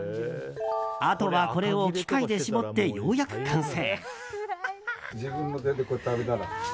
あとはこれを機械で絞ってようやく完成。